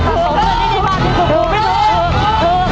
ถูก